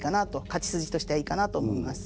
勝ち筋としてはいいかなと思います。